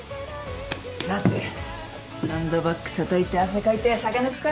さてサンドバッグたたいて汗かいて酒抜くか。